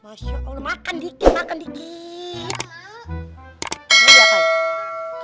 masya allah makan sedikit